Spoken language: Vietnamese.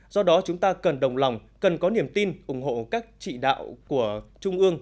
do đó chúng ta cần đồng lòng cần có niềm tin ủng hộ các trị đạo của trung ương